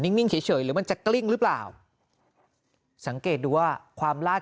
นิ่งเฉยหรือมันจะกลิ้งหรือเปล่าสังเกตดูว่าความลาด